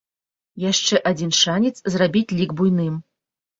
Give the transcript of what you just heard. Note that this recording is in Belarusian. Яшчэ адзін шанец зрабіць лік буйным.